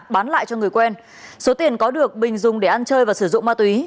bán lại cho người quen số tiền có được bình dùng để ăn chơi và sử dụng ma túy